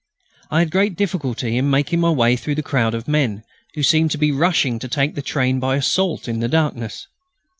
I had great difficulty in making my way through the crowd of men who seemed to be rushing to take the train by assault in the darkness.